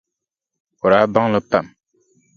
O daa baŋ li pam.